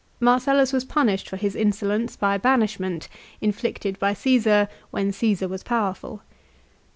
Marcellus was punished for his insolence by banishment, inflicted by Ceesar when Ctesar was powerful.